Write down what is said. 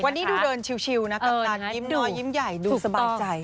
วันนี้ดูเดินชิวนะกัปตันยิ้มน้อยยิ้มใหญ่ดูสบายใจ